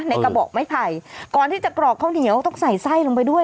กระบอกไม้ไผ่ก่อนที่จะกรอกข้าวเหนียวต้องใส่ไส้ลงไปด้วย